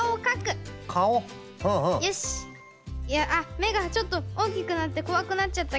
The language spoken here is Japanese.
めがちょっとおおきくなってこわくなっちゃったけど。